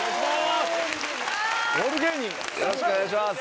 よろしくお願いします！